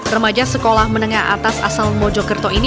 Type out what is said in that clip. remaja sekolah menengah atas asal mojokerto ini